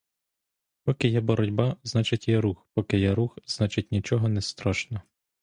Поки є боротьба, значить є рух, поки є рух, значить нічого не страшно.